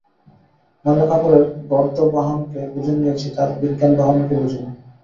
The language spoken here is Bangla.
ময়লা কাপড়ের গর্দভবাহনকে বুঝে নিয়েছি, তার বিজ্ঞানবাহনকে বুঝি নে।